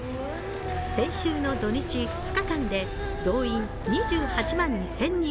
先週の土日２日間で動員２８万２０００人。